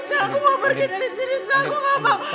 jangan deketin aku